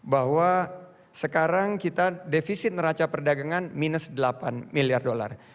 bahwa sekarang kita defisit neraca perdagangan minus delapan miliar dolar